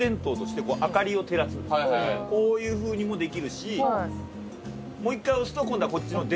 こういうふうにもできるしもう一回押すと今度はこっちの。